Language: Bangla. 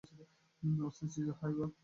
অস্থিতিশীল হাই, বায।